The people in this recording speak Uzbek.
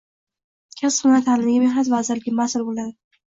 Kasb-hunar taʼlimiga Mehnat vazirligi masʼul boʻladi.